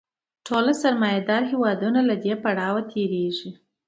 ټول سرمایه داري هېوادونه له دې پړاو تېرېږي